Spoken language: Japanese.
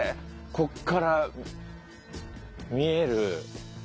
ここから見える。